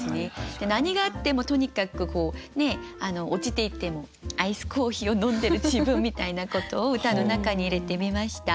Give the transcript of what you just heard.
何があってもとにかくこう落ちていってもアイスコーヒーを飲んでる自分みたいなことを歌の中に入れてみました。